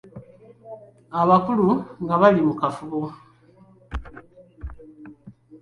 Abakulu nga bali mu kafubo.